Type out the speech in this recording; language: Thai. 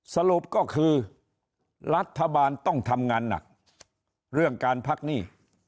สรุปก็คือรัฐบาลต้องทำงานหนักเรื่องการพักหนี้